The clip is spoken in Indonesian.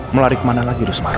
melari kemana lagi dusmarno